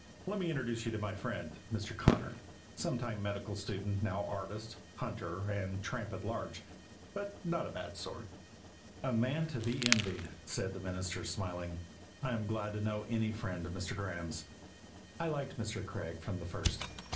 Let me introduce my friend, Mr. Connor, sometime medical student, now artist, hunter, and tramp at large, but not a bad sort." "A man to be envied," said the minister, smiling. "I am glad to know any friend of Mr. Graeme's." I liked Mr. Craig from the first.